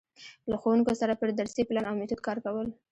له ښـوونکو سره پر درسي پـلان او میتود کـار کول.